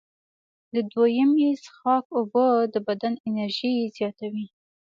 د دویمې څښاک اوبه د بدن انرژي زیاتوي.